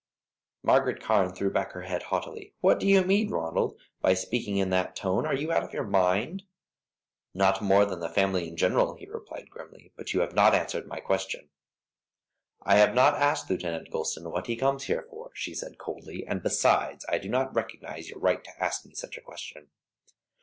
Margaret Carne threw back her head haughtily. "What do you mean, Ronald, by speaking in that tone; are you out of your mind?" "Not more than the family in general," he replied, grimly; "but you have not answered my question." "I have not asked Lieutenant Gulston what he comes here for," she said, coldly; "and, besides, I do not recognise your right to ask me such a question."